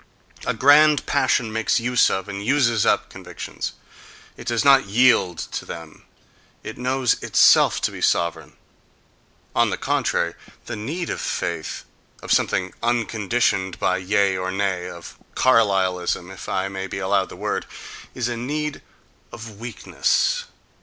A grand passion makes use of and uses up convictions; it does not yield to them—it knows itself to be sovereign.—On the contrary, the need of faith, of something unconditioned by yea or nay, of Carlylism, if I may be allowed the word, is a need of weakness.